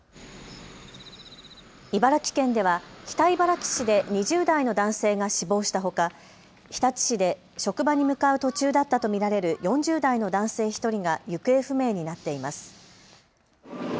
茨城県では北茨城市で２０代の男性が死亡したほか日立市で職場に向かう途中だったと見られる４０代の男性１人が行方不明になっています。